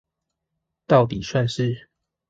到底算是